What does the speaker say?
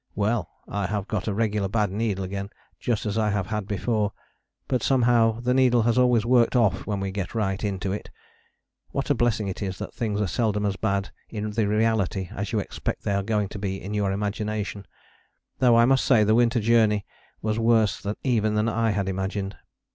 Well! I have got a regular bad needle again, just as I have had before. But somehow the needle has always worked off when we get right into it. What a blessing it is that things are seldom as bad in the reality as you expect they are going to be in your imagination: though I must say the Winter Journey was worse even than I had imagined.